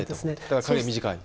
だから影が短い。